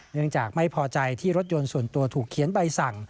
เนื่องจากไม่พอใจที่รถยนต์ส่วนตัวถูกเขียนใบสั่ง